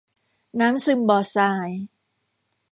น้ำซึมบ่อทราย